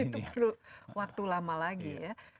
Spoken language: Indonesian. itu perlu waktu lama lagi ya